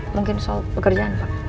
mungkin soal pekerjaan pak